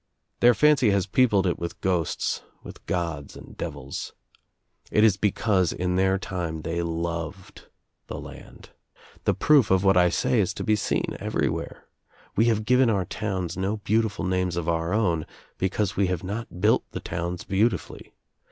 Their fancy has peopled it with ghosts, with gods and devils. It is because In their time they loved the land. The proof of what I say Is to be seen everywhere. We have given our towns no beautiful names of our own because we have not built the towns beautifully.